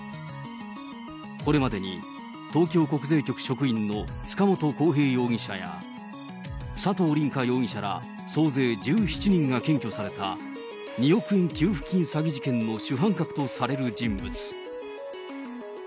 これまでに東京国税局職員の塚本晃平容疑者や、佐藤凜果容疑者ら総勢１７人が検挙された、２億円給付金詐欺事件の主犯格とされる人物。